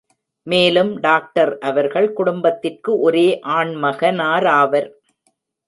மேலும் டாக்டர் அவர்கள் குடும்பத்திற்கு ஒரே ஆண்மகனாராவர்.